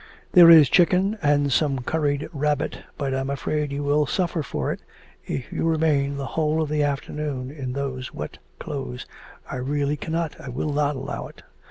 'There is chicken and some curried rabbit, but I am afraid you will suffer for it if you remain the whole of the afternoon in those wet clothes; I really cannot, I will not allow it.'